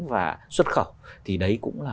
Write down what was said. và xuất khẩu thì đấy cũng là